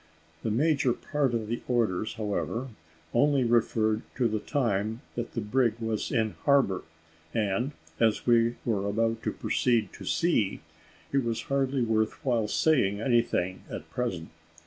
The major part of the orders, however, only referred to the time that the brig was in harbour; and, as we were about to proceed to sea, it was hardly worth while saying anything at present.